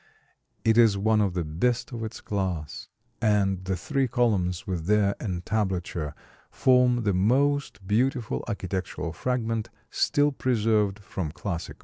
It is one of the best of its class; and the three columns with their entablature form the most beautiful architectural fragment still preserved from classical Rome.